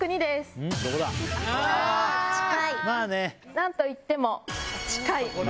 何といっても近い！